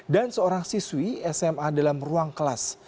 dan seorang siswi sma dalam ruang kelas